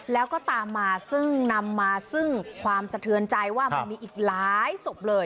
แล้วก็ตามมาซึ่งนำมาซึ่งความสะเทือนใจว่ามันมีอีกหลายศพเลย